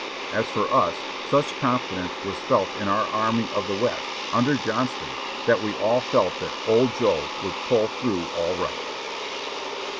As for us. such confidence was felt in our Amiy of the West, under Johnston, that we all felt that ''Old Joe" would pull through all right.